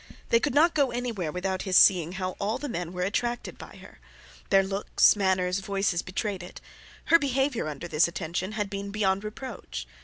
They could not go anywhere without his seeing how all the men were attracted by her; their looks, manners, voices, betrayed it; her behaviour under this attention had been beyond reproach.